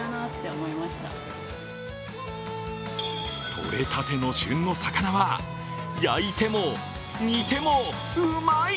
とれたての旬の魚は焼いても煮てもうまい！